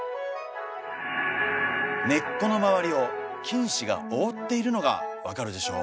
根っこの周りを菌糸が覆っているのが分かるでしょう。